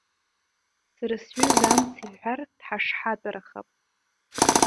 Сара сҩыза амц иҳәар дҳашҳатәарахап.